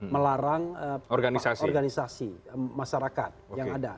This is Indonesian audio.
melarang organisasi masyarakat yang ada